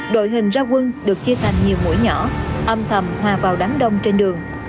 đội hình ra quân được chia thành nhiều mũi nhỏ âm thầm hòa vào đám đông trên đường